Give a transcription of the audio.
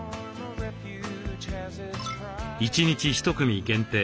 １日１組限定